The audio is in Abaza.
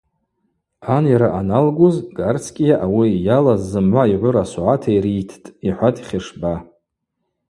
Анйара аналгуз Гарцкӏьиа ауи йалаз зымгӏва йгӏвыра согӏата йрыйттӏ, – йхӏватӏ Хьышба.